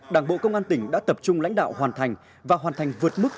đảng bộ công an tỉnh đã tập trung lãnh đạo hoàn thành và hoàn thành vượt mức